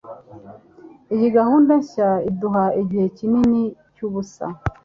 Iyi gahunda nshya iduha igihe kinini cyubusa.